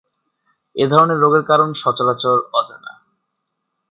এ ধরনের রোগের কারণ সচারচর অজানা।